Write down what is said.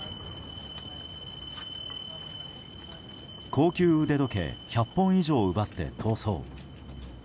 高級腕時計１００本以上を奪って逃走。